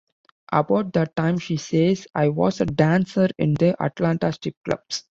About that time, she says, I was a dancer in the Atlanta strip clubs.